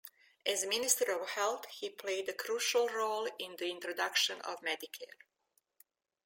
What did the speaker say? As minister of health, he played a crucial role in the introduction of Medicare.